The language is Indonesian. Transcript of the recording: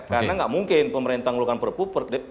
karena nggak mungkin pemerintah ngeluhkan perhubungan